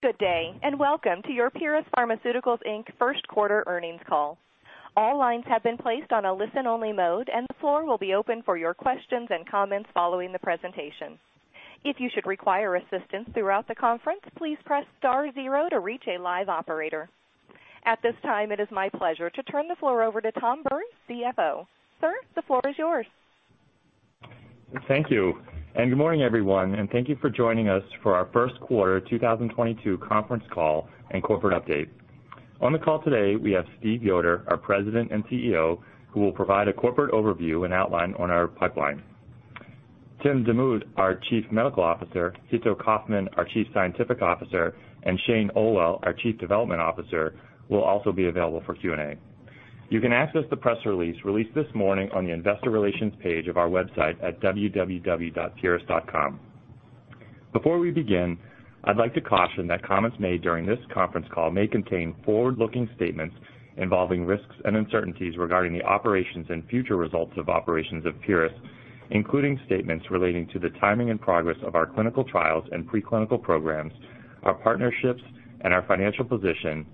Good day, and welcome to your Pieris Pharmaceuticals, Inc. Q1 earnings call. All lines have been placed on a listen-only mode, and the floor will be open for your questions and comments following the presentation. If you should require assistance throughout the conference, please press star zero to reach a live operator. At this time, it is my pleasure to turn the floor over to Thomas Bures, CFO. Sir, the floor is yours. Thank you. Good morning, everyone, and thank you for joining us for our Q1 2022 conference call and corporate update. On the call today, we have Stephen Yoder, our President and CEO, who will provide a corporate overview and outline on our pipeline. Tim Demuth, our Chief Medical Officer, Hitto Kaufmann, our Chief Scientific Officer, and Shane Olwill, our Chief Development Officer, will also be available for Q&A. You can access the press release released this morning on the investor relations page of our website at www.pieris.com. Before we begin, I'd like to caution that comments made during this conference call may contain forward-looking statements involving risks and uncertainties regarding the operations and future results of operations of Pieris, including statements relating to the timing and progress of our clinical trials and preclinical programs, our partnerships, and our financial position,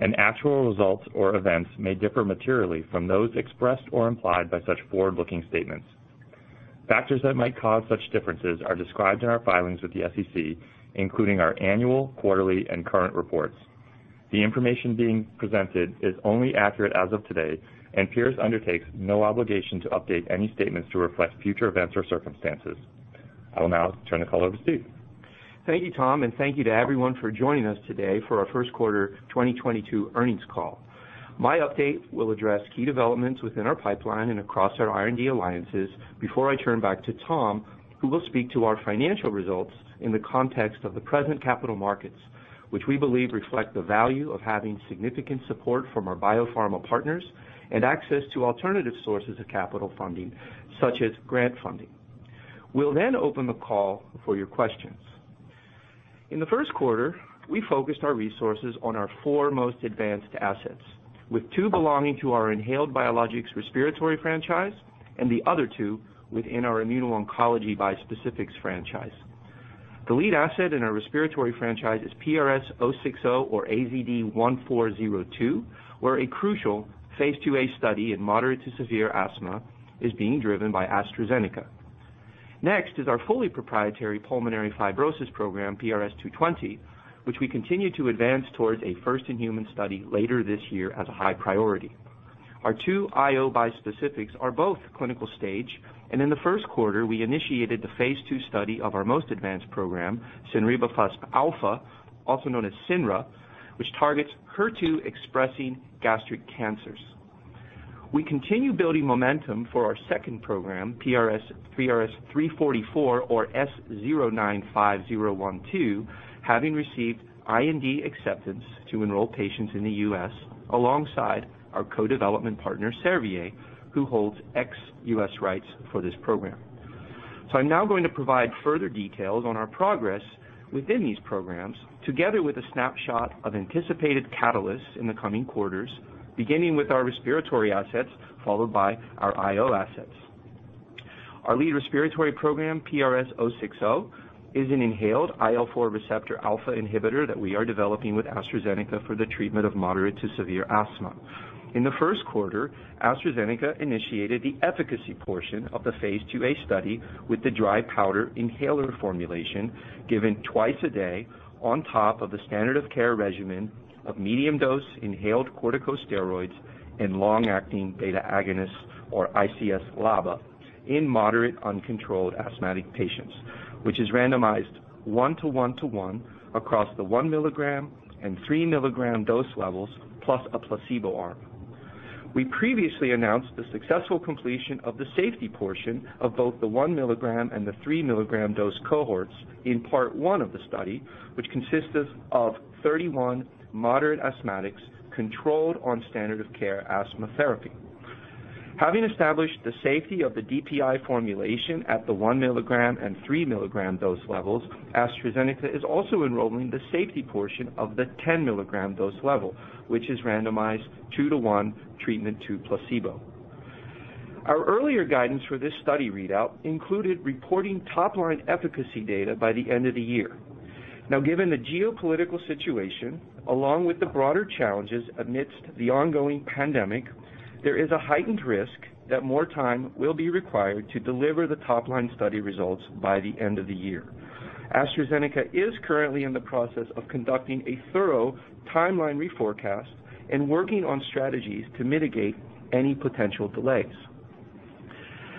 and actual results or events may differ materially from those expressed or implied by such forward-looking statements. Factors that might cause such differences are described in our filings with the SEC, including our annual, quarterly, and current reports. The information being presented is only accurate as of today, and Pieris undertakes no obligation to update any statements to reflect future events or circumstances. I will now turn the call over to Steve. Thank you, Tom, and thank you to everyone for joining us today for our Q1 2022 earnings call. My update will address key developments within our pipeline and across our R&D alliances before I turn back to Tom, who will speak to our financial results in the context of the present capital markets, which we believe reflect the value of having significant support from our biopharma partners and access to alternative sources of capital funding, such as grant funding. We'll then open the call for your questions. In the Q1, we focused our resources on our four most advanced assets, with two belonging to our inhaled biologics respiratory franchise and the other two within our immuno-oncology bispecifics franchise. The lead asset in our respiratory franchise is PRS-060 or AZD1402, where a crucial phase IIa study in moderate to severe asthma is being driven by AstraZeneca. Next is our fully proprietary pulmonary fibrosis program, PRS-220, which we continue to advance towards a first-in-human study later this year as a high priority. Our two IO bispecifics are both clinical stage, and in the Q1, we initiated the phase II study of our most advanced program, cinrebafusp alfa, also known as Senra, which targets HER2-expressing gastric cancers. We continue building momentum for our second program, PRS-344 or S095012, having received IND acceptance to enroll patients in the U.S. alongside our co-development partner, Servier, who holds ex-US rights for this program. I'm now going to provide further details on our progress within these programs, together with a snapshot of anticipated catalysts in the coming quarters, beginning with our respiratory assets, followed by our IO assets. Our lead respiratory program, PRS-060, is an inhaled IL-4 receptor alpha inhibitor that we are developing with AstraZeneca for the treatment of moderate to severe asthma. In the Q1, AstraZeneca initiated the efficacy portion of the phase IIa study with the dry powder inhaler formulation given twice a day on top of the standard of care regimen of medium-dose inhaled corticosteroids and long-acting beta agonists, or ICS/LABA, in moderate uncontrolled asthmatic patients, which is randomized 1 to 1 to 1 across the 1 milligram and 3-milligram dose levels, plus a placebo arm. We previously announced the successful completion of the safety portion of both the 1 milligram and the 3-milligram dose cohorts in part one of the study, which consisted of 31 moderate asthmatics controlled on standard of care asthma therapy. Having established the safety of the DPI formulation at the 1 milligram and 3-milligram dose levels, AstraZeneca is also enrolling the safety portion of the 10-milligram dose level, which is randomized two to one treatment to placebo. Our earlier guidance for this study readout included reporting top-line efficacy data by the end of the year. Now, given the geopolitical situation, along with the broader challenges amidst the ongoing pandemic, there is a heightened risk that more time will be required to deliver the top-line study results by the end of the year. AstraZeneca is currently in the process of conducting a thorough timeline reforecast and working on strategies to mitigate any potential delays.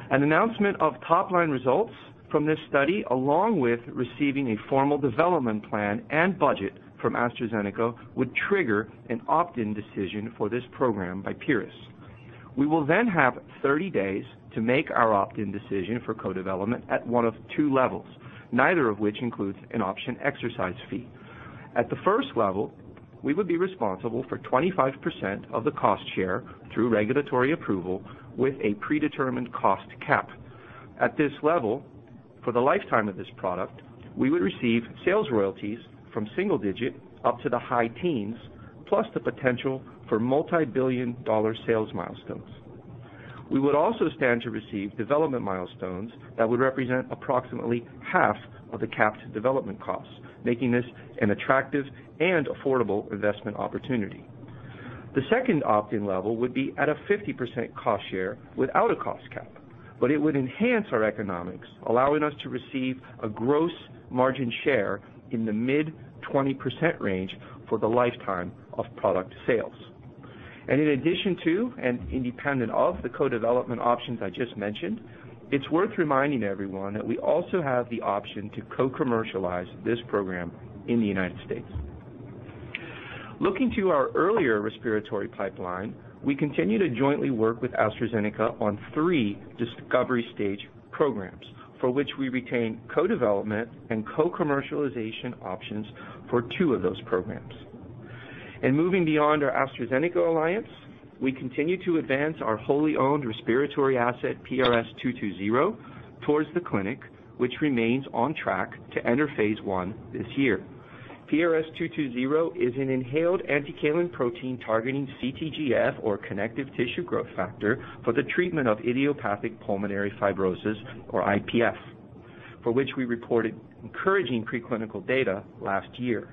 An announcement of top-line results from this study, along with receiving a formal development plan and budget from AstraZeneca, would trigger an opt-in decision for this program by Pieris. We will then have 30 days to make our opt-in decision for co-development at one of two levels, neither of which includes an option exercise fee. At the first level, we would be responsible for 25% of the cost share through regulatory approval with a predetermined cost cap. At this level, for the lifetime of this product, we would receive sales royalties from single-digit to high-teens plus the potential for multi-billion-dollar sales milestones. We would also stand to receive development milestones that would represent approximately half of the capped development costs, making this an attractive and affordable investment opportunity. The second opt-in level would be at a 50% cost share without a cost cap, but it would enhance our economics, allowing us to receive a gross margin share in the mid-20% range for the lifetime of product sales. In addition to and independent of the co-development options I just mentioned, it's worth reminding everyone that we also have the option to co-commercialize this program in the United States. Looking to our earlier respiratory pipeline, we continue to jointly work with AstraZeneca on three discovery stage programs, for which we retain co-development and co-commercialization options for two of those programs. Moving beyond our AstraZeneca alliance, we continue to advance our wholly owned respiratory asset, PRS-220, towards the clinic, which remains on track to enter phase i this year. PRS-220 is an inhaled Anticalin protein targeting CTGF, or connective tissue growth factor, for the treatment of idiopathic pulmonary fibrosis, or IPF, for which we reported encouraging preclinical data last year.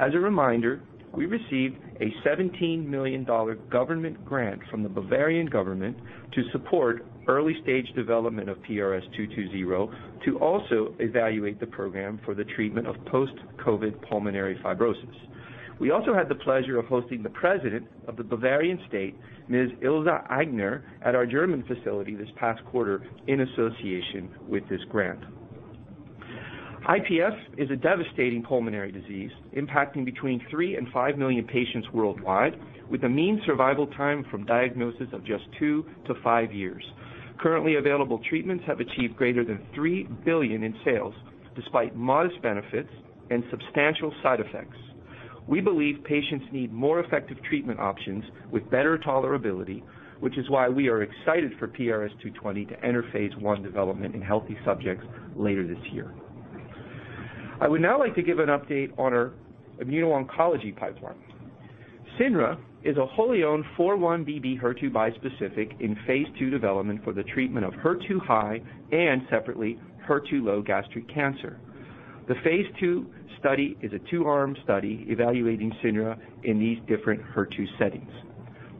As a reminder, we received a $17 million government grant from the Bavarian government to support early-stage development of PRS-220 to also evaluate the program for the treatment of post-COVID pulmonary fibrosis. We also had the pleasure of hosting the president of the Bavarian State, Ms. Ilse Aigner at our German facility this past quarter in association with this grant. IPF is a devastating pulmonary disease impacting between three and five million patients worldwide, with a mean survival time from diagnosis of just two to five years. Currently available treatments have achieved greater than $3 billion in sales, despite modest benefits and substantial side effects. We believe patients need more effective treatment options with better tolerability, which is why we are excited for PRS-220 to enter phase I development in healthy subjects later this year. I would now like to give an update on our immuno-oncology pipeline. Cinrebafusp alfa is a wholly owned 4-1BB HER2 bispecific in phase 2 development for the treatment of HER2 high and separately HER2 low gastric cancer. The phase II study is a two-arm study evaluating cinrebafusp alfa in these different HER2 settings.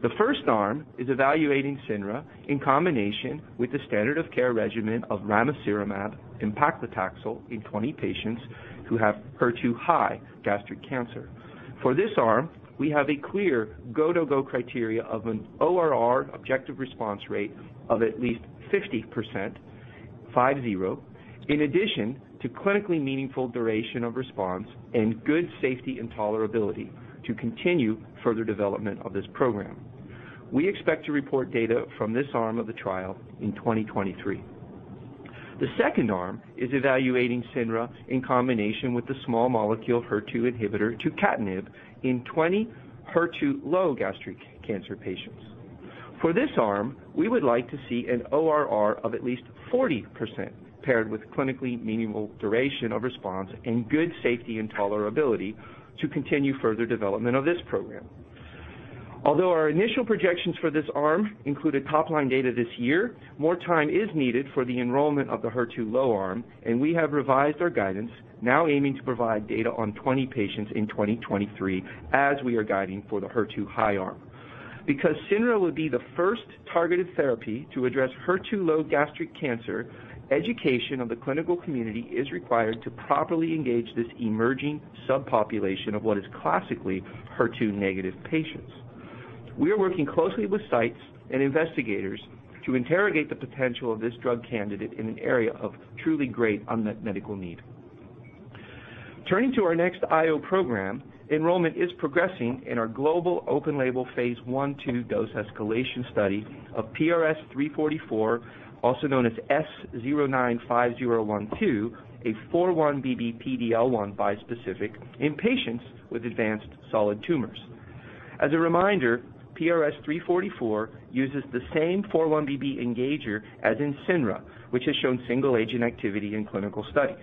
The first arm is evaluating cinrebafusp alfa in combination with the standard of care regimen of ramucirumab and paclitaxel in 20 patients who have HER2-high gastric cancer. For this arm, we have a clear go/no-go criteria of an ORR, objective response rate, of at least 50%, five-zero, in addition to clinically meaningful duration of response and good safety and tolerability to continue further development of this program. We expect to report data from this arm of the trial in 2023. The second arm is evaluating cinrebafusp alfa in combination with the small molecule HER2 inhibitor tucatinib in 20 HER2-low gastric cancer patients. For this arm, we would like to see an ORR of at least 40% paired with clinically meaningful duration of response and good safety and tolerability to continue further development of this program. Although our initial projections for this arm included top-line data this year, more time is needed for the enrollment of the HER2-low arm, and we have revised our guidance, now aiming to provide data on 20 patients in 2023, as we are guiding for the HER2-high arm. Because cinrebafusp alfa will be the first targeted therapy to address HER2-low gastric cancer, education of the clinical community is required to properly engage this emerging subpopulation of what is classically HER2-negative patients. We are working closely with sites and investigators to interrogate the potential of this drug candidate in an area of truly great unmet medical need. Turning to our next IO program, enrollment is progressing in our global open-label phase I/II dose escalation study of PRS-344, also known as S095012, a 4-1BB/PD-L1 bispecific in patients with advanced solid tumors. As a reminder, PRS-344 uses the same 4-1BB engager as in cinrebafusp alfa, which has shown single agent activity in clinical studies.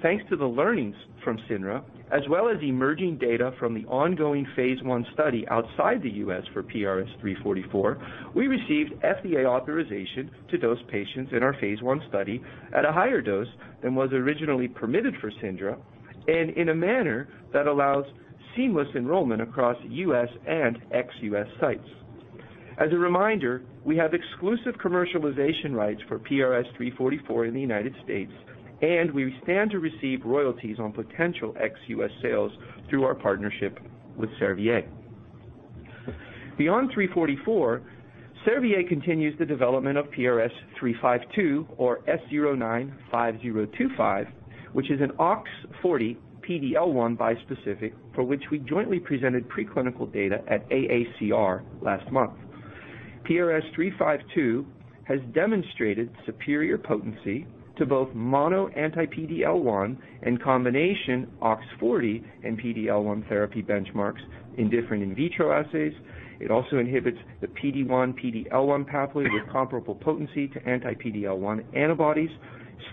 Thanks to the learnings from cinrebafusp alfa, as well as emerging data from the ongoing phase I study outside the U.S. for PRS-344, we received FDA authorization to dose patients in our phase 1 study at a higher dose than was originally permitted for cinrebafusp alfa and in a manner that allows seamless enrollment across U.S. and ex-U.S. sites. As a reminder, we have exclusive commercialization rights for PRS-344 in the United States, and we stand to receive royalties on potential ex-U.S. sales through our partnership with Servier. Beyond PRS-344, Servier continues the development of PRS-352, or S095025, which is an OX40/PDL1 bispecific for which we jointly presented preclinical data at AACR last month. PRS-352 has demonstrated superior potency to both mono-anti-PD-L1 and combination OX40 and PD-L1 therapy benchmarks in different in vitro assays. It also inhibits the PD-1/PD-L1 pathway with comparable potency to anti-PD-L1 antibodies,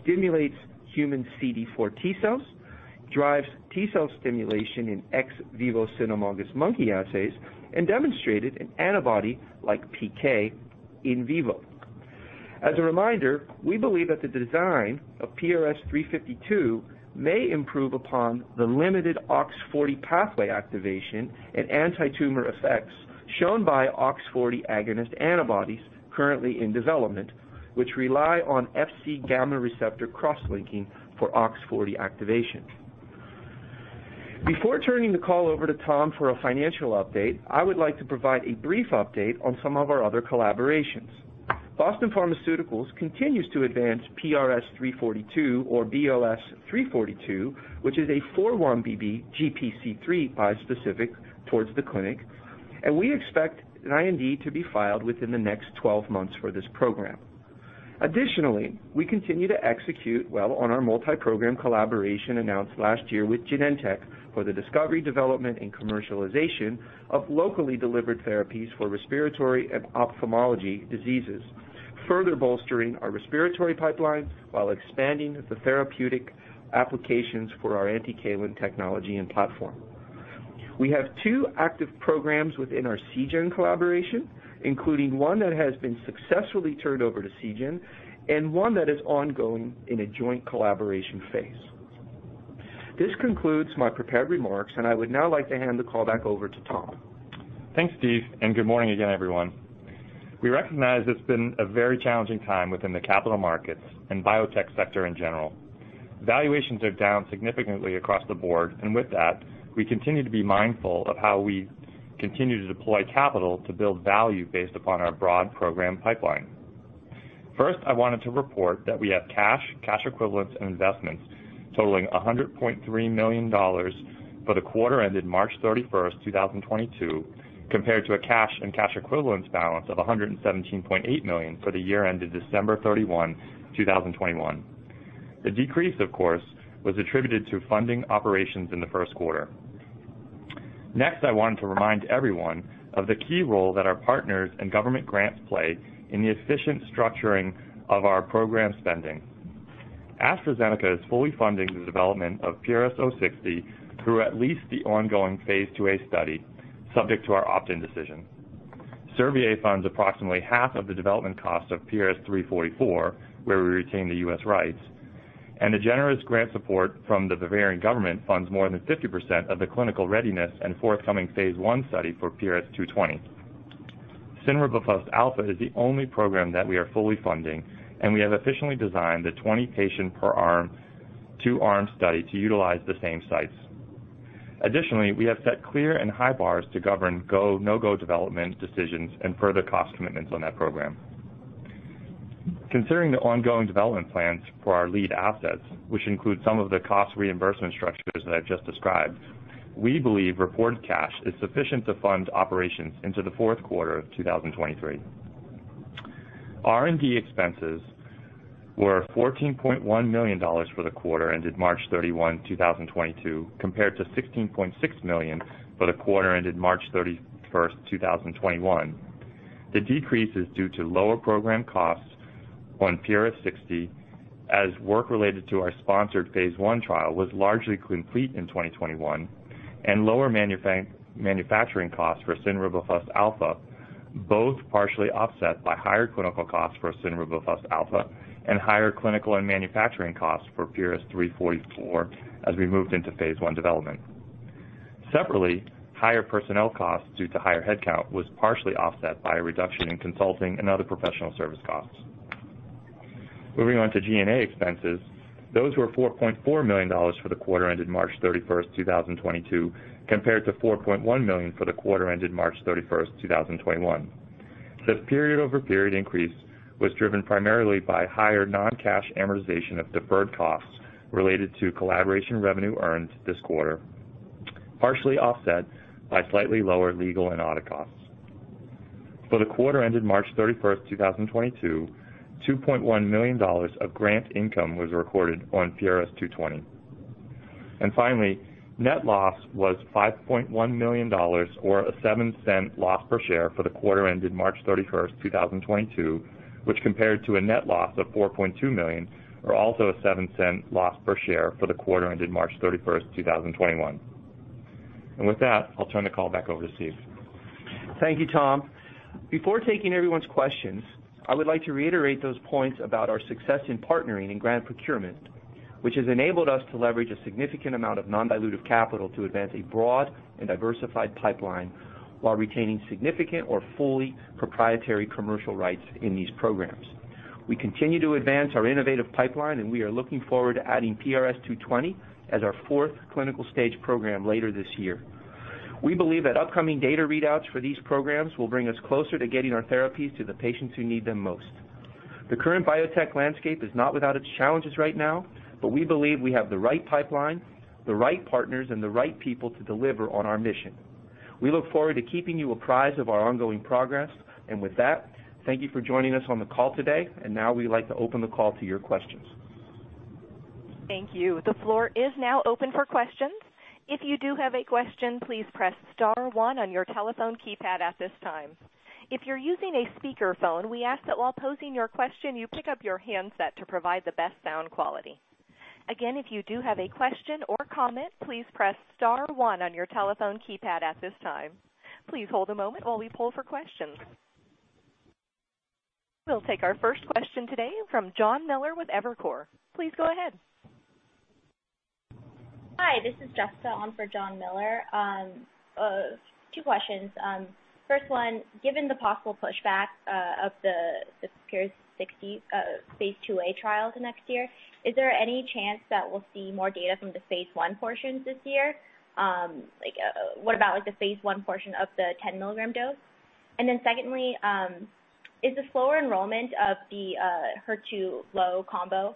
stimulates human CD4 T cells, drives T-cell stimulation in ex vivo cynomolgus monkey assays and demonstrated an antibody-like PK in vivo. As a reminder, we believe that the design of PRS-352 may improve upon the limited OX40 pathway activation and antitumor effects shown by OX40 agonist antibodies currently in development, which rely on Fc gamma receptor cross-linking for OX40 activation. Before turning the call over to Tom for a financial update, I would like to provide a brief update on some of our other collaborations. Boston Pharmaceuticals continues to advance PRS-342 or BOS-342, which is a 4-1BB/GPC3 bispecific towards the clinic, and we expect an IND to be filed within the next 12 months for this program. Additionally, we continue to execute well on our multi-program collaboration announced last year with Genentech for the discovery, development, and commercialization of locally delivered therapies for respiratory and ophthalmology diseases, further bolstering our respiratory pipeline while expanding the therapeutic applications for our Anticalin technology and platform. We have two active programs within our Seagen collaboration, including one that has been successfully turned over to Seagen and one that is ongoing in a joint collaboration phase. This concludes my prepared remarks, and I would now like to hand the call back over to Tom. Thanks, Steve, and good morning again, everyone. We recognize it's been a very challenging time within the capital markets and biotech sector in general. Valuations are down significantly across the board, and with that, we continue to be mindful of how we continue to deploy capital to build value based upon our broad program pipeline. First, I wanted to report that we have cash equivalents, and investments totaling $100.3 million for the quarter ended March 31st, 2022, compared to a cash and cash equivalents balance of $117.8 million for the year ended December 31, 2021. The decrease, of course, was attributed to funding operations in the Q1. Next, I want to remind everyone of the key role that our partners and government grants play in the efficient structuring of our program spending. AstraZeneca is fully funding the development of PRS-060 through at least the ongoing phase IIa study, subject to our opt-in decision. Servier funds approximately half of the development cost of PRS-344, where we retain the U.S. rights, and the generous grant support from the Bavarian government funds more than 50% of the clinical readiness and forthcoming phase I study for PRS-220. Cinrebafusp alfa is the only program that we are fully funding, and we have efficiently designed the 20-patient per arm, two-arm study to utilize the same sites. Additionally, we have set clear and high bars to govern go, no-go development decisions and further cost commitments on that program. Considering the ongoing development plans for our lead assets, which include some of the cost reimbursement structures that I've just described, we believe reported cash is sufficient to fund operations into the Q4 of 2023. R&D expenses were $14.1 million for the quarter ended March 31, 2022, compared to $16.6 million for the quarter ended March 31st, 2021. The decrease is due to lower program costs on PRS-060 as work related to our sponsored phase 1 trial was largely complete in 2021 and lower manufacturing costs for cinrebafusp alfa, both partially offset by higher clinical costs for cinrebafusp alfa and higher clinical and manufacturing costs for PRS-344 as we moved into phase i development. Separately, higher personnel costs due to higher headcount was partially offset by a reduction in consulting and other professional service costs. Moving on to G&A expenses, those were $4.4 million for the quarter ended March 31st, 2022, compared to $4.1 million for the quarter ended March 31, 2021. The period-over-period increase was driven primarily by higher non-cash amortization of deferred costs related to collaboration revenue earned this quarter, partially offset by slightly lower legal and audit costs. For the quarter ended March 31st, 2022, $2.1 million of grant income was recorded on PRS-220. Finally, net loss was $5.1 million or a $0.07 loss per share for the quarter ended March 31st, 2022, which compared to a net loss of $4.2 million or also a $0.07 loss per share for the quarter ended March 31st, 2021. With that, I'll turn the call back over to Steve. Thank you, Tom. Before taking everyone's questions, I would like to reiterate those points about our success in partnering in grant procurement, which has enabled us to leverage a significant amount of non-dilutive capital to advance a broad and diversified pipeline while retaining significant or fully proprietary commercial rights in these programs. We continue to advance our innovative pipeline, and we are looking forward to adding PRS-220 as our fourth clinical stage program later this year. We believe that upcoming data readouts for these programs will bring us closer to getting our therapies to the patients who need them most. The current biotech landscape is not without its challenges right now, but we believe we have the right pipeline, the right partners, and the right people to deliver on our mission. We look forward to keeping you apprised of our ongoing progress. With that, thank you for joining us on the call today. Now we'd like to open the call to your questions. Thank you. The floor is now open for questions. If you do have a question, please press star one on your telephone keypad at this time. If you're using a speakerphone, we ask that while posing your question, you pick up your handset to provide the best sound quality. Again, if you do have a question or comment, please press star one on your telephone keypad at this time. Please hold a moment while we pull for questions. We'll take our first question today from John Miller with Evercore. Please go ahead. Hi, this is Jessa on for John Miller. Two questions. First one, given the possible pushback of the PRS-060 phase IIa trial to next year, is there any chance that we'll see more data from the phase I portions this year? Like, what about the phase 1 portion of the 10 milligram dose? Then secondly, is the slower enrollment of the HER2-low combo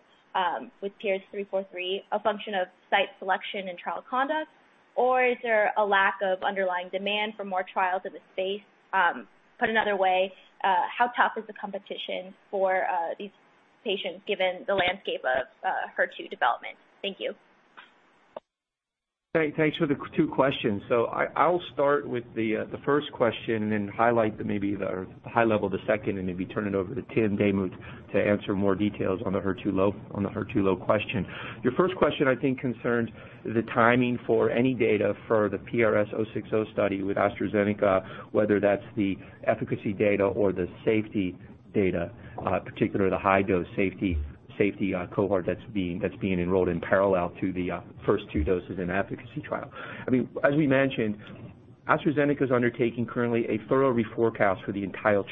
with PRS-343 a function of site selection and trial conduct, or is there a lack of underlying demand for more trials in the space? Put another way, how tough is the competition for these patients given the landscape of HER2 development? Thank you. Thanks for the two questions. I'll start with the first question and then highlight maybe the high level of the second, and maybe turn it over to Tim Demuth to answer more details on the HER2-low question. Your first question, I think, concerns the timing for any data for the PRS-060 study with AstraZeneca, whether that's the efficacy data or the safety data, particularly the high dose safety cohort that's being enrolled in parallel to the first two doses in efficacy trial. I mean, as we mentioned, AstraZeneca is undertaking currently a thorough reforecast for the entire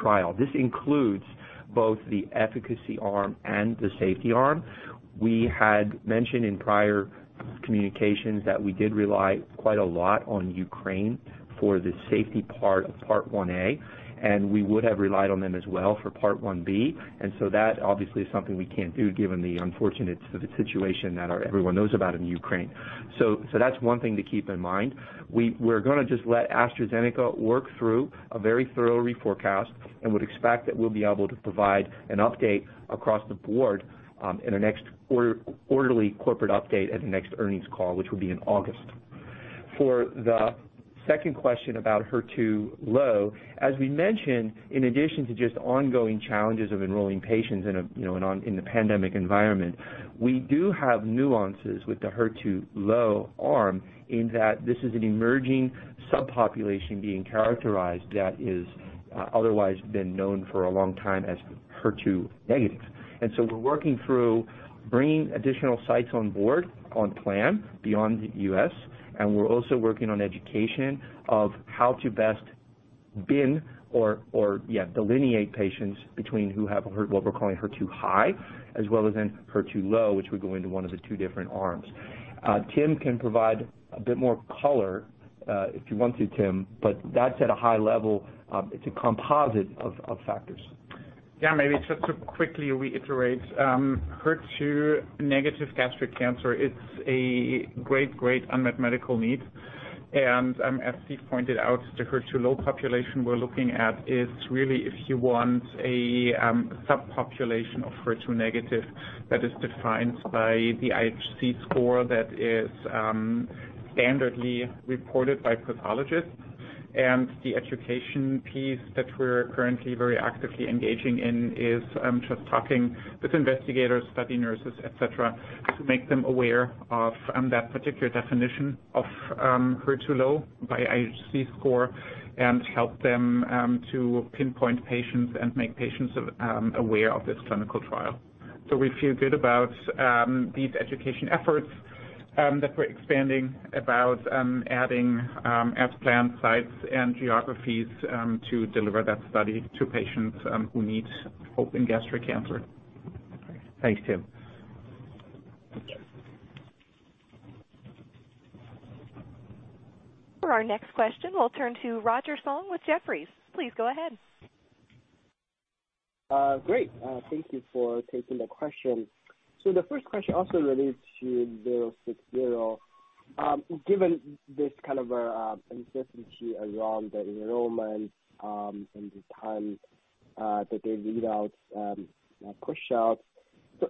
trial. This includes both the efficacy arm and the safety arm. We had mentioned in prior communications that we did rely quite a lot on Ukraine for the safety part IA, and we would have relied on them as well for part IB. That obviously is something we can't do given the unfortunate situation that everyone knows about in Ukraine. That's one thing to keep in mind. We're gonna just let AstraZeneca work through a very thorough reforecast and would expect that we'll be able to provide an update across the board in our next quarterly corporate update at the next earnings call, which will be in August. For the second question about HER2 low, as we mentioned, in addition to just ongoing challenges of enrolling patients in the pandemic environment, we do have nuances with the HER2 low arm in that this is an emerging subpopulation being characterized that is otherwise been known for a long time as HER2 negative. We're working through bringing additional sites on board on plan beyond the U.S., and we're also working on education of how to best bin or delineate patients between who have what we're calling HER2 high, as well as HER2 low, which would go into one of the two different arms. Tim can provide a bit more color if you want to, Tim, but that's at a high level. It's a composite of factors. Yeah, maybe just to quickly reiterate, HER2 negative gastric cancer, it's a great unmet medical need. As Steve pointed out, the HER2 low population we're looking at is really if you want a subpopulation of HER2 negative that is defined by the IHC score that is standardly reported by pathologists. The education piece that we're currently very actively engaging in is just talking with investigators, study nurses, et cetera, to make them aware of that particular definition of HER2 low by IHC score and help them to pinpoint patients and make patients aware of this clinical trial. We feel good about these education efforts that we're expanding about adding planned sites and geographies to deliver that study to patients who need hope in gastric cancer. Thanks, Tim. For our next question, we'll turn to Roger Song with Jefferies. Please go ahead. Great. Thank you for taking the question. The first question also relates to zero six zero. Given this kind of uncertainty around the enrollment, and the time that the readouts push out.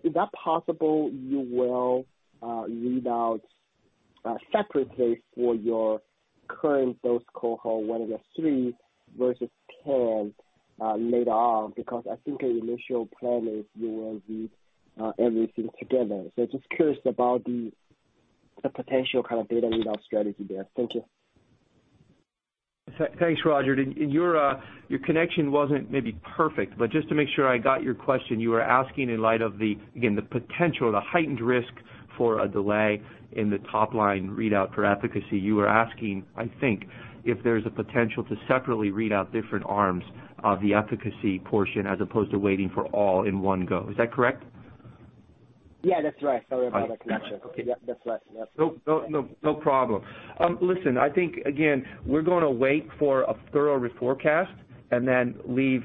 Is that possible you will read out separately for your current dose cohort, whether it's three versus 10 later on? Because I think your initial plan is you will read everything together. Just curious about the potential kind of data readout strategy there. Thank you. Thanks, Roger. Your connection wasn't maybe perfect, but just to make sure I got your question, you were asking in light of the, again, the potential, the heightened risk for a delay in the top line readout for efficacy. You were asking, I think, if there's a potential to separately read out different arms of the efficacy portion as opposed to waiting for all in one go. Is that correct? Yeah, that's right. Sorry about that. Gotcha. All right. Gotcha. Okay. Yep, that's right. Yep. No problem. Listen, I think, again, we're gonna wait for a thorough reforecast and then leave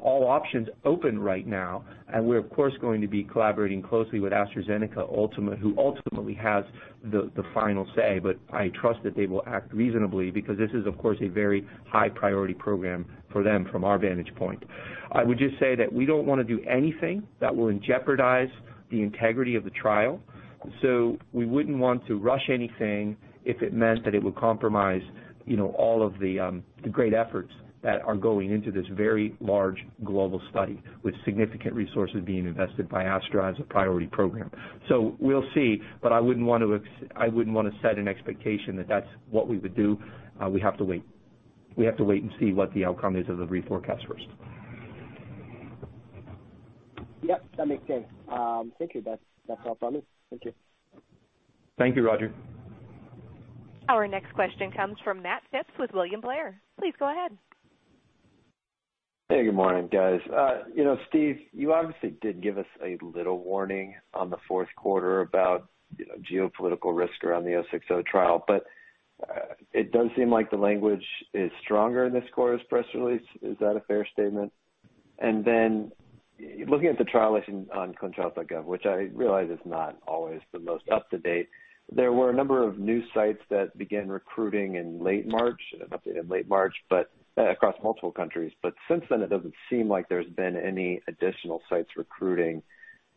all options open right now, and we're of course going to be collaborating closely with AstraZeneca, who ultimately has the final say. I trust that they will act reasonably because this is, of course, a very high priority program for them from our vantage point. I would just say that we don't wanna do anything that will jeopardize the integrity of the trial, so we wouldn't want to rush anything if it meant that it would compromise, you know, all of the great efforts that are going into this very large global study with significant resources being invested by Astra as a priority program. We'll see, but I wouldn't wanna set an expectation that that's what we would do. We have to wait and see what the outcome is of the reforecast first. Yep, that makes sense. Thank you. That's all from me. Thank you. Thank you, Roger. Our next question comes from Matt Phipps with William Blair. Please go ahead. Hey, good morning, guys. You know, Steve, you obviously did give us a little warning on the Q4 about, you know, geopolitical risk around the PRS-060 trial. It does seem like the language is stronger in this quarter's press release. Is that a fair statement? Then looking at the trial listing on ClinicalTrials.gov, which I realize is not always the most up to date, there were a number of new sites that began recruiting in late March, an update in late March, but across multiple countries. Since then, it doesn't seem like there's been any additional sites recruiting.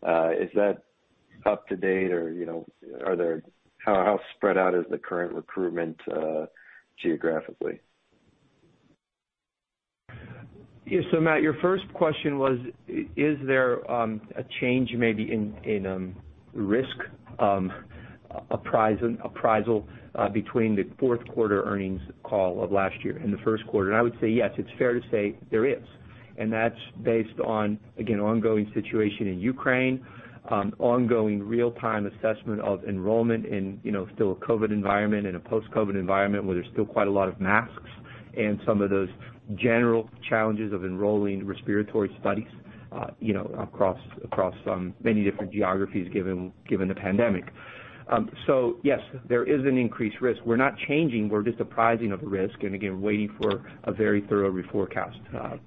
Is that up to date or, you know, are there? How spread out is the current recruitment geographically? Yeah. Matt, your first question was, is there a change maybe in risk appraisal between the Q4 earnings call of last year and the Q1? I would say, yes, it's fair to say there is, and that's based on, again, ongoing situation in Ukraine, ongoing real-time assessment of enrollment in, you know, still a COVID environment and a post-COVID environment where there's still quite a lot of masks and some of those general challenges of enrolling respiratory studies, you know, across many different geographies given the pandemic. Yes, there is an increased risk. We're not changing, we're just apprising of risk and, again, waiting for a very thorough reforecast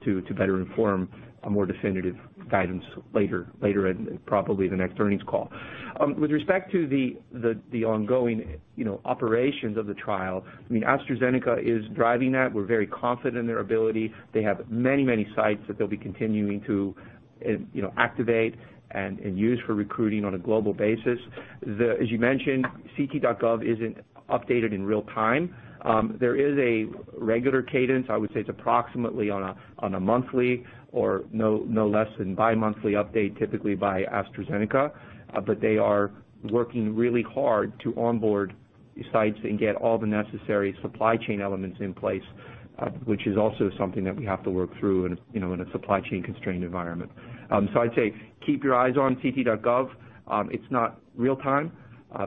to better inform a more definitive guidance later in probably the next earnings call. With respect to the ongoing, you know, operations of the trial, I mean, AstraZeneca is driving that. We're very confident in their ability. They have many sites that they'll be continuing to activate and use for recruiting on a global basis. As you mentioned, ClinicalTrials.gov isn't updated in real time. There is a regular cadence, I would say it's approximately on a monthly or no less than bimonthly update, typically by AstraZeneca. But they are working really hard to onboard sites and get all the necessary supply chain elements in place, which is also something that we have to work through in a, you know, in a supply chain constrained environment. I'd say keep your eyes on ClinicalTrials.gov. It's not real time,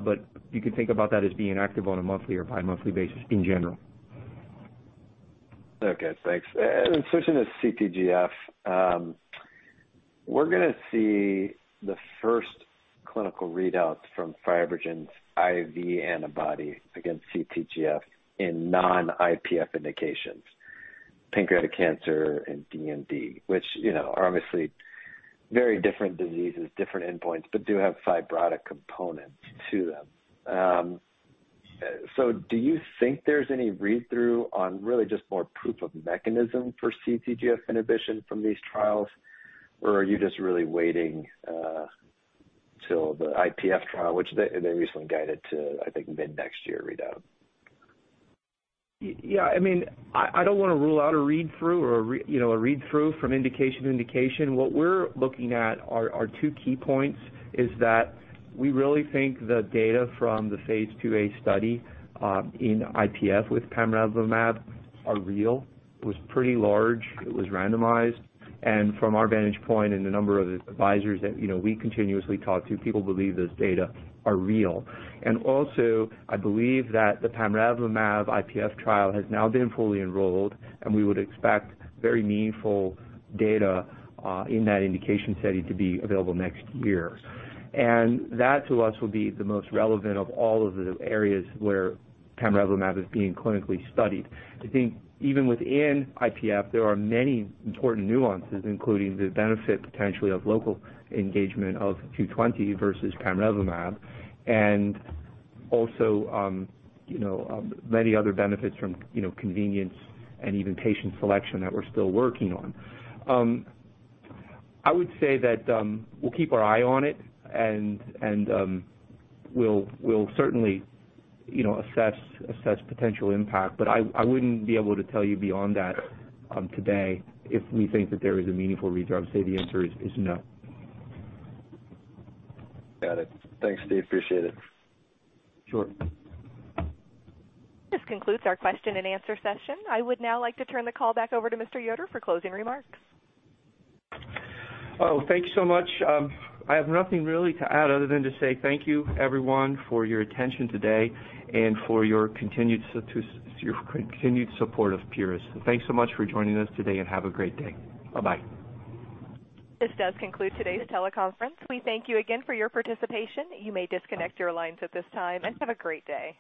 but you can think about that as being active on a monthly or bimonthly basis in general. Okay, thanks. Switching to CTGF, we're gonna see the first clinical readouts from FibroGen's IV antibody against CTGF in non-IPF indications, pancreatic cancer and DMD, which, you know, are obviously very different diseases, different endpoints, but do have fibrotic components to them. So do you think there's any read-through on really just more proof of mechanism for CTGF inhibition from these trials, or are you just really waiting till the IPF trial, which they recently guided to, I think, mid-next year readout? Yeah. I mean, I don't wanna rule out a read-through or you know, a read-through from indication to indication. What we're looking at are two key points, is that we really think the data from the phase IIa study in IPF with pamrevlumab are real. It was pretty large. It was randomized. From our vantage point and the number of advisors that you know, we continuously talk to, people believe those data are real. Also, I believe that the pamrevlumab IPF trial has now been fully enrolled, and we would expect very meaningful data in that indication study to be available next year. That to us will be the most relevant of all of the areas where pamrevlumab is being clinically studied. I think even within IPF, there are many important nuances, including the benefit potentially of local engagement of PRS-220 versus pamrevlumab, and also, you know, many other benefits from, you know, convenience and even patient selection that we're still working on. I would say that, we'll keep our eye on it and we'll certainly, you know, assess potential impact, but I wouldn't be able to tell you beyond that, today if we think that there is a meaningful read-through. I would say the answer is no. Got it. Thanks, Steve. Appreciate it. Sure. This concludes our question and answer session. I would now like to turn the call back over to Mr. Yoder for closing remarks. Oh, thank you so much. I have nothing really to add other than to say thank you everyone for your attention today and for your continued support of Pieris. Thanks so much for joining us today, and have a great day. Bye-bye. This does conclude today's teleconference. We thank you again for your participation. You may disconnect your lines at this time, and have a great day.